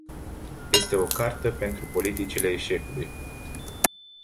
Este o cartă pentru politicile eșecului.